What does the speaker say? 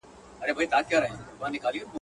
دښاغلی جهانی صاحب دغه شعر .